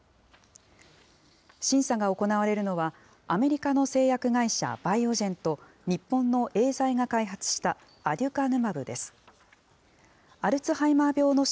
審査が行われるのは、アメリカの製薬会社、バイオジェンと、日本のエーザイが開発したアデュカヌマブです。